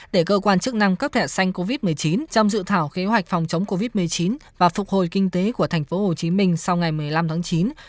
để cơ quan chức năng cấp thẻ xanh covid một mươi chín trong dự thảo kế hoạch phòng chống covid một mươi chín và phục hồi kinh tế của tp hcm sau ngày một mươi năm tháng chín